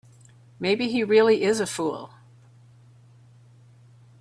Maybe he really is a fool.